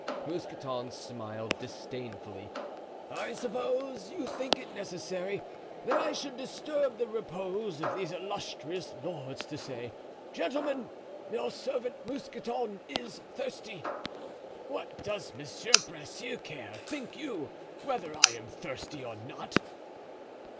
Mousqueton smiled disdainfully. "I suppose that you think it necessary that I should disturb the repose of these illustrious lords to say, 'Gentlemen, your servant, Mousqueton, is thirsty.' What does Monsieur Bracieux care, think you, whether I am thirsty or not?"